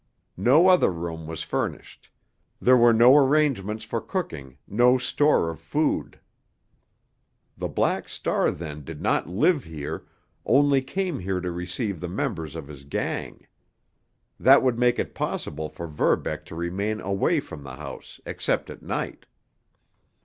No other room was furnished; there were no arrangements for cooking, no store of food. The Black Star, then, did not live here, only came here to receive the members of his gang. That would make it possible for Verbeck to remain away from the house except at night.